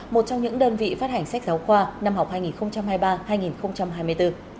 một trong những đơn vị phát hành sách giáo khoa năm học hai nghìn hai mươi ba hai nghìn hai mươi bốn